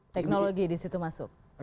teknologi di situ masuk